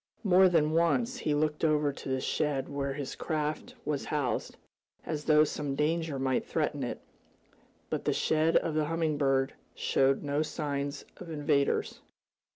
More than once he looked over to the shed where his craft was housed, as though some danger might threaten it. But the shed of the Humming Bird showed no signs of invaders.